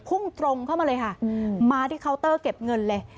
พุ่งตรงเข้ามาเลยค่ะมาที่เคาน์เตอร์เก็บเงินเลย